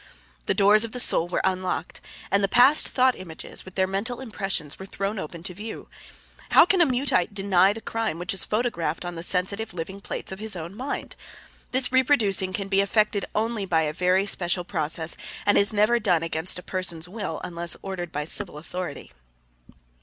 The doors of the soul were unlocked and the past thought images, with their mental impressions, were thrown open to view. How can a Muteite deny the crime which is photographed on the sensitive living plates of his own mind! This reproducing can be effected only by a very special process and is never done against a person's will unless ordered by civil authority.